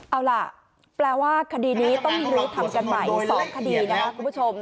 เอาล่ะแปลว่าคดีนี้ต้องรู้ทำกันใหม่๒คดีนะครับคุณผู้ชม